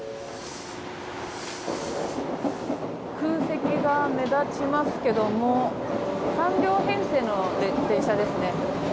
空席が目立ちますけど３両編成の電車ですね。